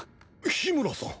緋村さん！？